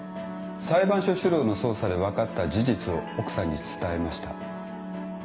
裁判所主導の捜査で分かった事実を奥さんに伝えました。